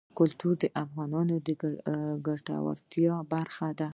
کلتور د افغانانو د ګټورتیا برخه ده.